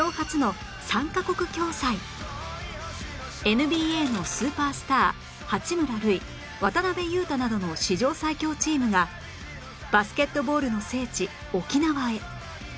ＮＢＡ のスーパースター八村塁渡邊雄太などの史上最強チームがバスケットボールの聖地沖縄へ